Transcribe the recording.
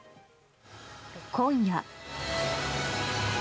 今夜。